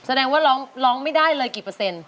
แสดงว่าร้องไม่ได้เลยกี่เปอร์เซ็นต์